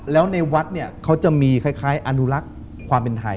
แล้วในวัดเนี่ยเขาจะมีคล้ายอนุรักษ์ความเป็นไทย